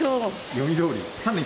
読みどおり。